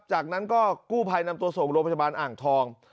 จากนั้นก็กู้ภัยนำตัวส่งโรงพยาบาลอ่างทอง